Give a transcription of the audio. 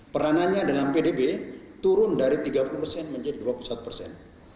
peranannya dalam pdb turun dari tiga puluh persen menjadi dua puluh satu persen